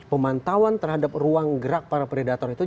pemantauan terhadap ruang gerak para predator itu